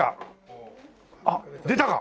あっ出たか！？